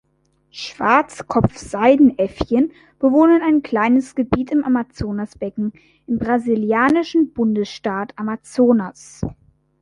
Schwarzkopf-Seidenäffchen bewohnen ein kleines Gebiet im Amazonasbecken im brasilianischen Bundesstaat Amazonas.